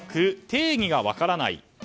定義が分からない。